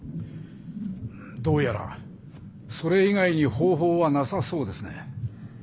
どうやらそれ以外に方法はなさそうですね。